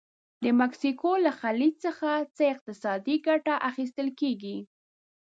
د مکسیکو له خلیج څخه څه اقتصادي ګټه اخیستل کیږي؟